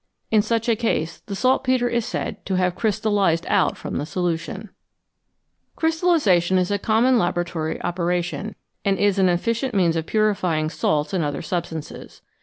In such a case the saltpetre is said to have "crystallised out" from the solution. 314 FROM SOLUTIONS TO CRYSTALS Crystallisation is a common laboratory operation, and is an efficient means of purifying salts and other sub stances.